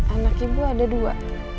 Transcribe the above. anak ibu ada dua